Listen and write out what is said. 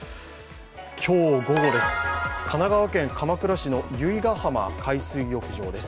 今日午後です、神奈川県鎌倉市の由比ガ浜海水浴場です。